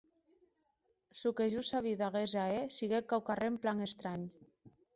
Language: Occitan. Çò que jo sabí d’aguest ahèr siguec quauquarren plan estranh.